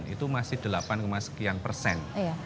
itu masih delapan sekian persen